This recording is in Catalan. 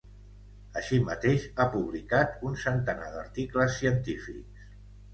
Així mateix ha publicat un centenar d'articles científics.